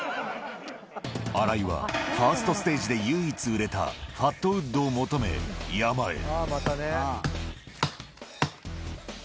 荒井は、ファーストステージで唯一売れたファットウッドを求め、山へ。